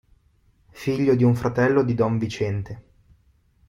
Figlio di un fratello di don Viciente.